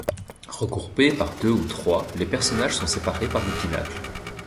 Regroupés par deux ou trois, les personnages sont séparés par des pinacles.